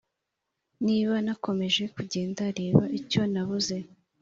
niba nakomeje kugenda, reba icyo nabuze